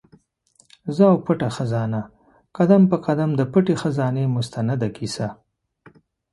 زه او پټه خزانه؛ قدم په قدم د پټي خزانې مستنده کیسه